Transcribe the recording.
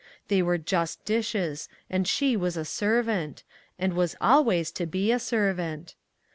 They were just dishes, and she was a servant, and was al ways to be a servant.